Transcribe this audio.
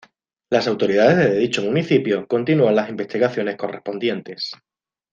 Las autoridades de dicho municipio continúan las investigaciones correspondientes.